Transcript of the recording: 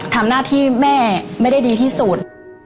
ทำหน้าที่แม่ไม่ได้ดีที่สุด